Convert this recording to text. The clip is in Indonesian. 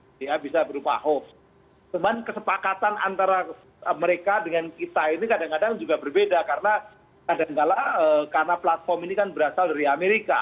cuman kesepakatan antara mereka dengan kita ini kadang kadang juga berbeda karena kadangkala karena platform ini kan berasal dari amerika